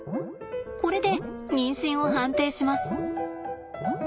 これで妊娠を判定します。